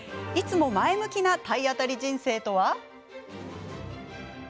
いつも前向きな体当たり人生とは？